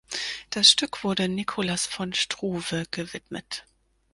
Das Stück wurde Nicholas von Struve gewidmet.